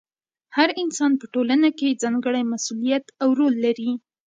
هر انسان په ټولنه کې ځانګړی مسؤلیت او رول لري.